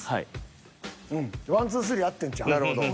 ワンツースリー合ってんちゃう？